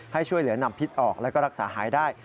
ให้ช่วยเหลือนำพิษออกแล้วก็รักษาหายได้